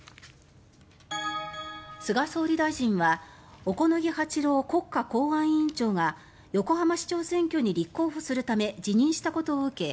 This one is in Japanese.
菅総理大臣は小此木八郎国家公安委員長が横浜市長選挙に立候補するため辞任したことを受け